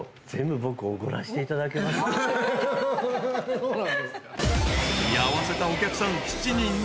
そうなんですか？